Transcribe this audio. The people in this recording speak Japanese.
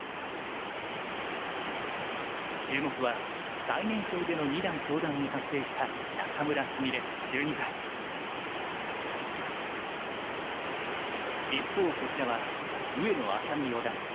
注目は最年少での二段昇段を達成した一方こちらは上野愛咲美四段。